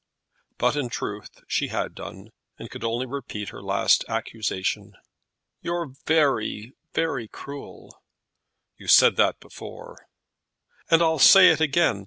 But in truth she had done, and could only repeat her last accusation. "You're very, very cruel." "You said that before." "And I'll say it again.